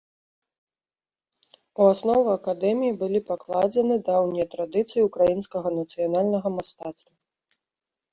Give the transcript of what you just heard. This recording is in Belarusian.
У аснову акадэміі былі пакладзены даўнія традыцыі ўкраінскага нацыянальнага мастацтва.